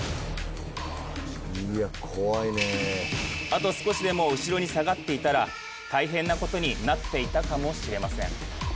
あと少しでも後ろに下がっていたら大変なことになっていたかもしれません。